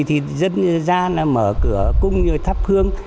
thì dân ra là mở cửa cung như tháp hương